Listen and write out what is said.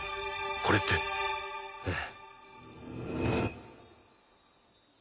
これってええ